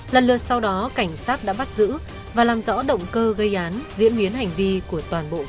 lần lượt sau đó cảnh sát đã bắt giữ và làm rõ động cơ gây án diễn biến hành vi của toàn bộ vụ án này